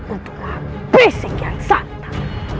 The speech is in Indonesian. untuk menghabis sekian santan